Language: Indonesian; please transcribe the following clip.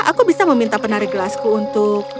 aku bisa meminta penari gelasku untuk